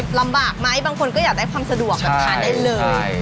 ลำบากไหมบางคนก็อยากได้ความสะดวกแบบทานได้เลย